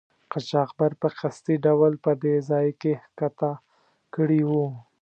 قاچاقبر په قصدي ډول په دې ځای کې ښکته کړي وو.